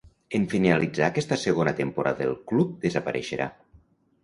En finalitzar aquesta segona temporada el club desapareixerà.